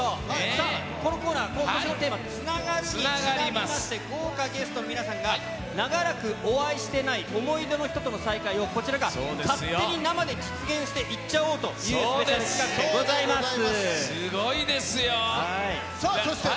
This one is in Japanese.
このコーナー、つながるにちなみまして、豪華ゲストの皆さんが長らくお会いしてない想い出の人との再会をこちらが勝手に生で実現していっちゃおうというスペシャル企画ですごいですよ。